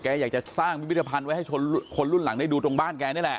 อยากจะสร้างพิพิธภัณฑ์ไว้ให้คนรุ่นหลังได้ดูตรงบ้านแกนี่แหละ